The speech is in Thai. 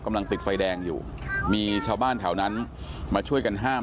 ติดไฟแดงอยู่มีชาวบ้านแถวนั้นมาช่วยกันห้าม